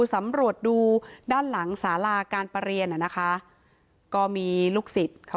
สำรวจดูด้านหลังสาลาการประเรียนมีลูกสิทธิ์